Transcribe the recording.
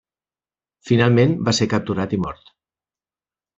Finalment va ser capturat i mort.